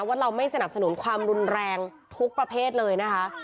ว่าเราไม่สนับสนุนความรุนแรงทุกประเภทเลยนะคะ